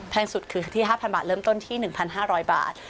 สุดคือที่๕๐๐บาทเริ่มต้นที่๑๕๐๐บาท